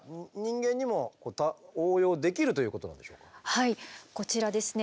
はいこちらですね